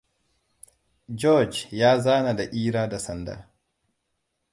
Georege ya zana da'ira da sanda.